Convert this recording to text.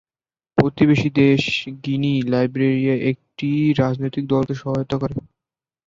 প্রতিবেশী দেশ গিনি, লাইবেরিয়ার একটি রাজনৈতিক দলকে সহায়তা করে।